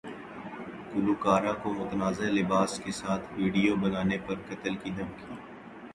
گلوکارہ کو متنازع لباس کے ساتھ ویڈیو بنانے پر قتل کی دھمکی